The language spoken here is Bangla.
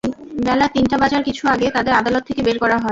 বেলা তিনটা বাজার কিছু আগে তাঁদের আদালত থেকে বের করা হয়।